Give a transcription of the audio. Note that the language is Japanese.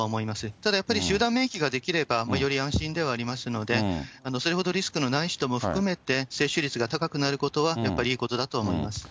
ただやっぱり、集団免疫が出来ればより安心ではありますので、それほどリスクのない人も含めて、接種率が高くなることは、やっぱりいいことだと思います。